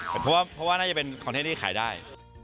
เพราะว่าน่าจะเป็นคอนเทนต์ที่ขายได้